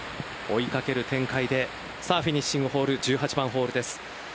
追いかける展開でフィニッシングホール１８番ホールです。